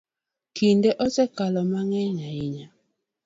Kinde osekalo mang'eny ahinya.